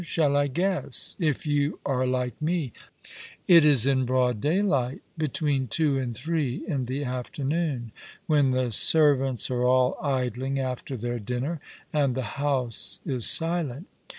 Shall I guess? If you are like /ae, it is in broad daylight — between two and three in the afternoon— when the servants are all idling after their dinner, and the house is silent.